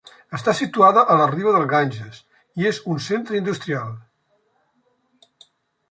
Està situada a la riba del Ganges, i és un centre industrial.